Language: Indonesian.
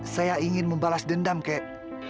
saya ingin membalas dendam kek